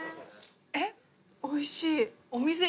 えっおいしい。